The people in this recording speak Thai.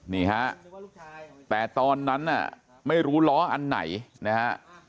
นี่ฮะแต่ตอนนั้นน่ะไม่รู้ล้ออันไหนนะฮะ